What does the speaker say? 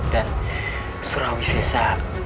dan surawi sesa